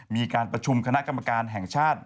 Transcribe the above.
มีการประชุมคณะกรรมการแห่งชาติ